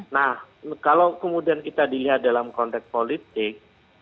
nah kalau kemudian kita dilihat dalam konteks politik